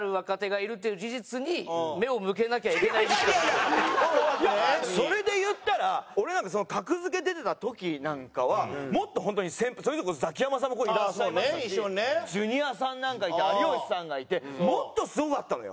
いやそれで言ったら俺なんか格付け出てた時なんかはもっと本当にそれこそザキヤマさんもここいらっしゃいましたしジュニアさんなんかいて有吉さんがいてもっとすごかったのよ！